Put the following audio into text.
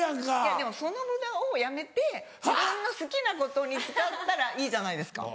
でもその無駄をやめて自分の好きなことに使ったらいいじゃないですか。